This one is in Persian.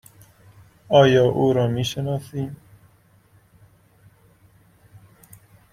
آیا او را می شناسی؟